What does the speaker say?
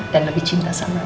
dan lebih cinta sama adin